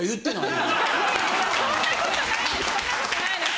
そんな事ないです